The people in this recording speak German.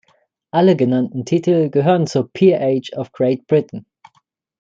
Alle genannten Titel gehören zur Peerage of Great Britain.